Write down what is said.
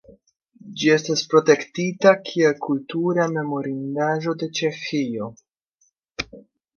Ĝi estas protektita kiel kultura memorindaĵo de Ĉeĥio.